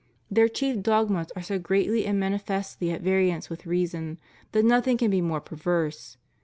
Their chief dogmas are so greatly FREEMASONRY. 97 and manifestly at variance with reason, that nothing can be more perverse.